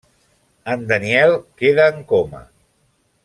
En Daniel queda en coma.